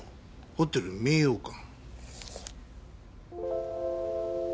ホテル明陽館？